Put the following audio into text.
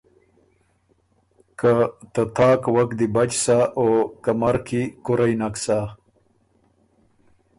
که ته تاک وک دی بچ سَۀ او کمر کی کُرئ نک سَۀ۔